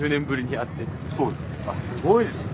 あっすごいですね。